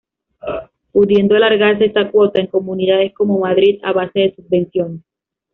Pudiendo alargarse esta cuota en comunidades como Madrid a base de subvenciones.